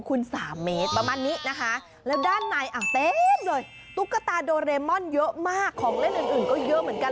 ของเล่นอื่นก็เยอะเหมือนกัน